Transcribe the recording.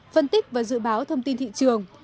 phân tích và dự báo thông tin thị trường